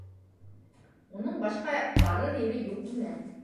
Уның башҡа барыр ере юҡ ине.